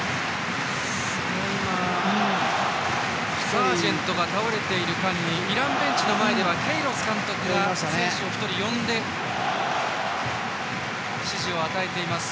サージェントが倒れている間にイランベンチの前ではケイロス監督が選手を１人呼んで指示を与えています。